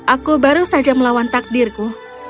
aku baru saja melawan takdirku